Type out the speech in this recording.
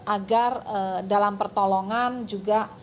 agar dalam pertolongan juga